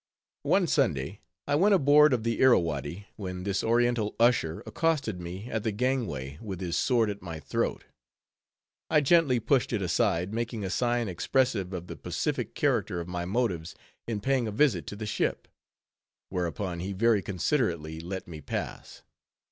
One Sunday, I went aboard of the Irrawaddy, when this oriental usher accosted me at the gangway, with his sword at my throat. I gently pushed it aside, making a sign expressive of the pacific character of my motives in paying a visit to the ship. Whereupon he very considerately let me pass.